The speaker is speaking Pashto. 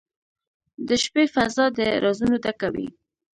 • د شپې فضاء د رازونو ډکه وي.